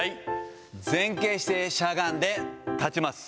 前傾姿勢、しゃがんで、立ちます。